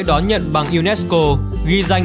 đón nhận bằng unesco ghi danh